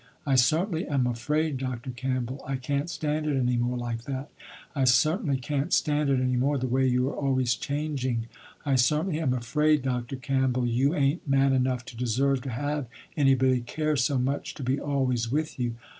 I certainly am afraid Dr. Campbell I can't stand it any more like that. I certainly can't stand it any more the way you are always changing. I certainly am afraid Dr. Campbell you ain't man enough to deserve to have anybody care so much to be always with you.